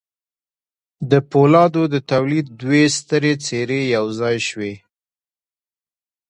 د پولادو د تولید دوې سترې څېرې یو ځای شوې